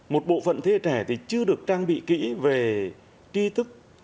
một bộ phận thế hệ trẻ thì chưa được trang bị kỹ về tri thức